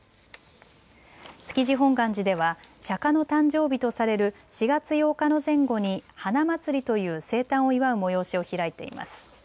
築地本願寺では釈迦の誕生日とされる４月８日の前後にはなまつりという生誕を祝う催しを開いています。